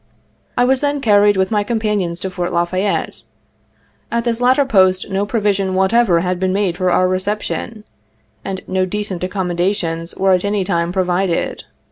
I was then carried, with my companions, to Fort La Fayette. At this latter Post no provision what ever had been made for our reception, and no decent accommodations were at any time provided.